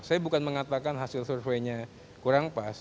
saya bukan mengatakan hasil surveinya kurang pas